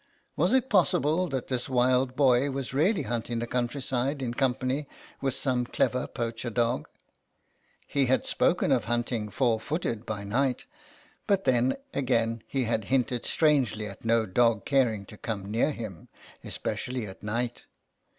Was it possible that this wild boy was really hunting the countryside in company with some clever poacher dog? He had spoken of hunting " four footed " by night, but then, again, he had hinted strangely at no dog caring to come near him, " especially at night."